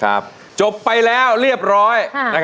จบไปแล้วเรียบร้อย